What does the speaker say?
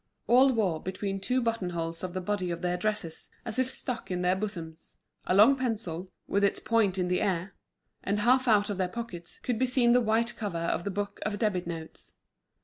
All wore between two buttonholes of the body of their dresses, as if stuck in their bosoms, a long pencil, with its point in the air; and half out of their pockets, could be seen the white cover of the book of debit notes.